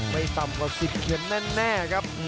ไม่ต่ำกว่า๑๐เข็มแน่ครับ